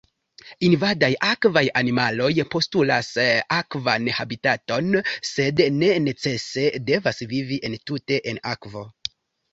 Invadaj akvaj animaloj postulas akvan habitaton, sed ne necese devas vivi entute en akvo.